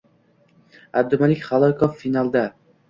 Abdumalik Xalakov finalda!ng